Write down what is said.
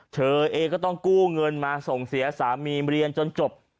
เธอเองก็ต้องกู้เงินมาส่งเสียสามีเรียนจนจบ